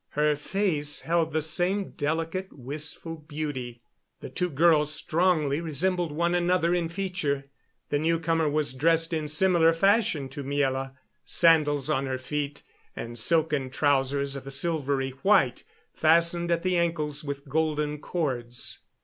Her face held the same delicate, wistful beauty. The two girls strongly resembled one another in feature. The newcomer was dressed in similar fashion to Miela sandals on her feet, and silken trousers of a silvery white, fastened at the ankles with golden cords.